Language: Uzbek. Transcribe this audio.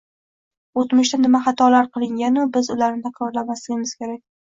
«o‘tmishda nima xatolar qilingan-u, biz ularni takrorlamasligimiz kerak?»